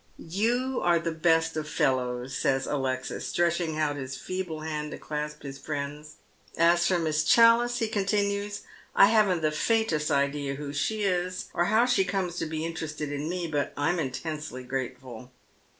" You are the best of fellows," says Alexis, stretching out his feeble hand to clasp his fiiend's. " As for Miss Challice," he continues, " I haven't the faintest idea who she is, or how she comes to be interested in me ; but I'm intensely grateful."